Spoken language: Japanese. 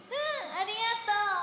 ありがとう！